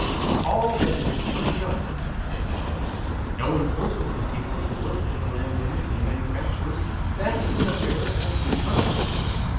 "All that is unjust," they say; "no one forces the people to work for the landowners and manufacturers. That is an affair of free contract.